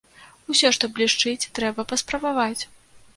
Усё, што блішчыць, трэба паспрабаваць.